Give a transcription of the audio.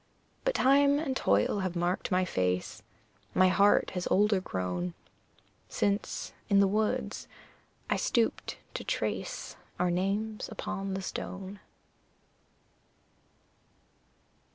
But time and toil have marked my face, My heart has older grown Since, in the woods, I stooped to trace Our names upon the stone.